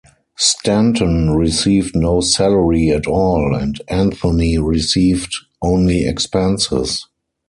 Stanton received no salary at all, and Anthony received only expenses.